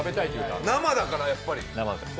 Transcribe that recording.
生だからやっぱり。